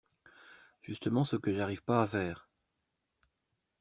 Justement ce que j'arrive pas à faire.